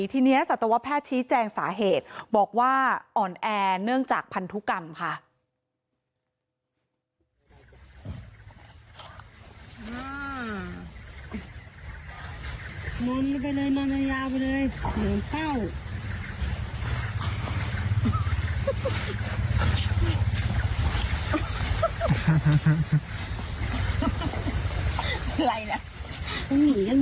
ทีนี้สัตวแพทย์ชี้แจงสาเหตุบอกว่าอ่อนแอเนื่องจากพันธุกรรมค่ะ